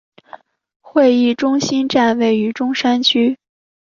会议中心站位于中山区。